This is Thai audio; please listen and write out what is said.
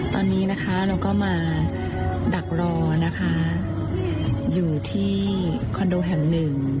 ตอนนี้นะคะเราก็มาดักรอนะคะอยู่ที่คอนโดแห่งหนึ่ง